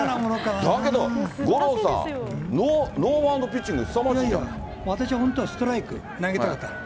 だけど五郎さん、ノーバウンドピッチング、私、本当はストライク投げたかったの。